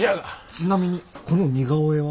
ちなみにこの似顔絵は？